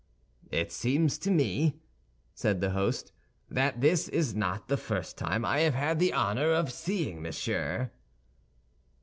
"It seems to me," said the host, "that this is not the first time I have had the honor of seeing Monsieur."